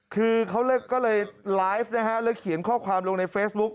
คือเขาก็เลยไลฟ์นะฮะแล้วเขียนข้อความลงในเฟซบุ๊ค